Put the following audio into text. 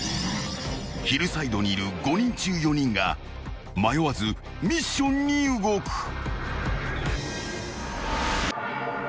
［ヒルサイドにいる５人中４人が迷わずミッションに動く］